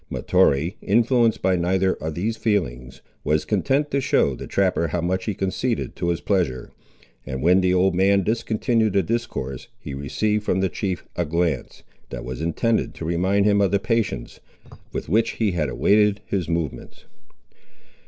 Mahtoree, influenced by neither of these feelings, was content to show the trapper how much he conceded to his pleasure; and when the old man discontinued the discourse, he received from the chief a glance, that was intended to remind him of the patience, with which he had awaited his movements.